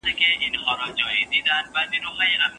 بدن مو د کار لپاره چمتو وساتئ.